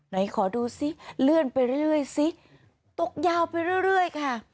ไหนขอดูสิเลื่อนไปเรื่อยเรื่อยสิตกยาวไปเรื่อยเรื่อยค่ะ